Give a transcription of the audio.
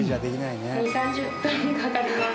２０３０分かかります。